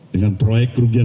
dengan proyek kerugian